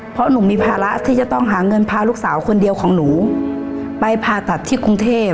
เพราะหนูมีภาระที่จะต้องหาเงินพาลูกสาวคนเดียวของหนูไปผ่าตัดที่กรุงเทพ